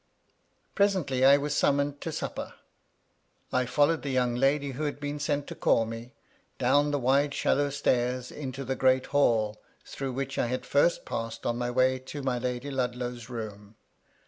Presently I was summoned to supper. I followed the young lady who had been sent to call me, down the wide shallow stairs, into the great hall, through which I had first passed on my way to my Lady Ludlow's room.